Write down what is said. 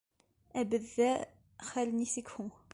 Ә беҙҙә хәл нисек һуң?